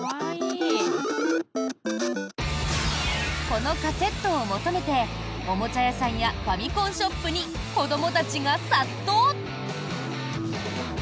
このカセットを求めておもちゃ屋さんやファミコンショップに子どもたちが殺到！